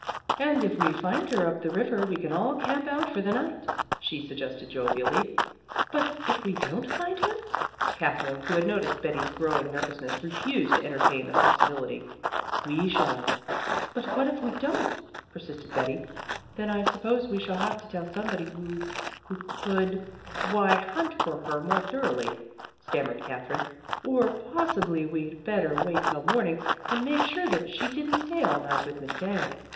"And if we find her way up the river we can all camp out for the night," she suggested jovially. "But if we don't find her?" Katherine, who had noticed Betty's growing nervousness, refused to entertain the possibility. "We shall," she said. "But if we don't?" persisted Betty. "Then I suppose we shall have to tell somebody who who could why, hunt for her more thoroughly," stammered Katherine. "Or possibly we'd better wait till morning and make sure that she didn't stay all night with Miss Day.